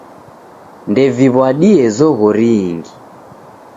Ndeviw'adie zoghori ingi.